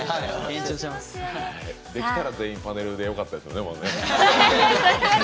できたら全員パネルでよかったですよね。